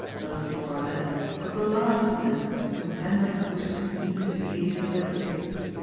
Notary Borlett was the last man whom Hendrik wished to meet in the idiot's bedroom.